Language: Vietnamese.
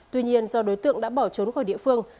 tuy nhiên do đối tượng đã bỏ trốn khỏi địa phương